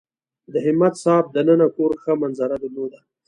د همت صاحب دننه کور ښه منظره درلوده.